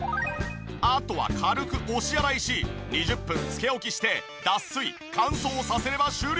あとは軽く押し洗いし２０分つけ置きして脱水乾燥させれば終了！